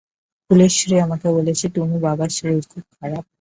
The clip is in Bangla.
ফুলেশ্বরী আমাকে বলছে, টুনু, বাবার শরীর খুব খারাপ।